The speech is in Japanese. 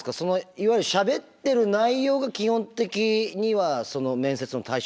いわゆるしゃべってる内容が基本的には面接の対象なんですか？